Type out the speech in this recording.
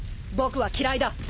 僕は嫌いだ。